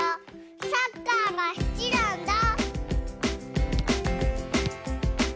サッカーが好きなんだ！